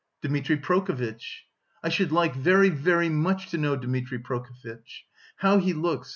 "Dmitri Prokofitch." "I should like very, very much to know, Dmitri Prokofitch... how he looks...